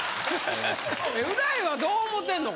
う大はどう思てんの？